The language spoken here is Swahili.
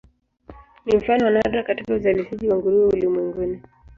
Ni mfano wa nadra katika uzalishaji wa nguruwe ulimwenguni.